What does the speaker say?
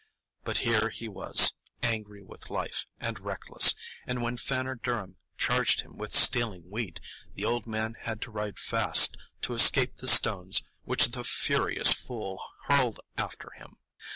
But here he was, angry with life and reckless; and when Fanner Durham charged him with stealing wheat, the old man had to ride fast to escape the stones which the furious fool hurled after him.